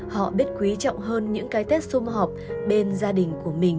họ biết quý trọng hơn những cái tết xung họp bên gia đình của mình